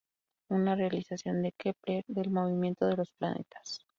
Una realización de Kepler del movimiento de los planetas.